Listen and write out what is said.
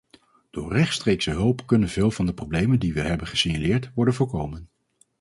Door rechtstreekse hulp kunnen veel van de problemen die we hebben gesignaleerd worden voorkomen.